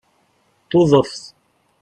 Tuḍeft